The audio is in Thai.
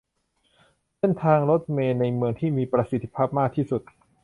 เส้นทางรถเมล์ในเมืองที่มีประสิทธิภาพมากที่สุด